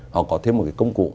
họ có thêm một công cụ